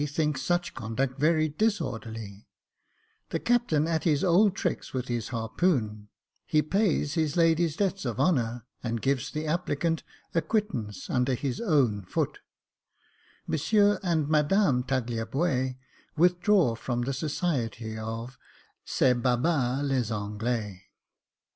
thinks such conduct very disorderly — the captain at his old tricks with his harpoon — He pays his lady's debts of honour, and gives the applicant a quittance under his own foot — Monsieur and Madame Tagliabue withdraw from the society of " ces Barbares les Anglais."